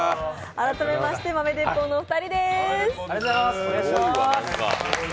改めまして豆鉄砲のお二人です。